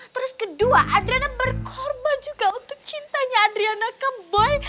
terus kedua adriana berkorban juga untuk cintanya adriana ke boy